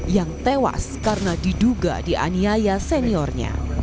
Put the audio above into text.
yang tewas karena diduga dianiaya seniornya